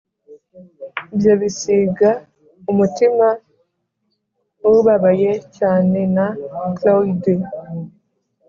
ibyo bisiga umutima-ubabaye cyane na cloy'd,